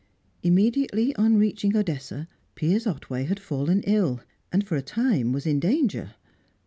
Immediately on reaching Odessa, Piers Otway had fallen ill, and for a time was in danger.